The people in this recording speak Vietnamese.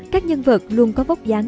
các nhân vật luôn có vóc dáng